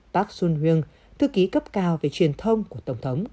park soon yong thư ký cấp cao về truyền thông của tổng thống